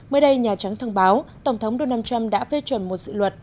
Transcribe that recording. mới đây nhà trắng thông báo tổng thống donald trump đã phê chuẩn một dự luật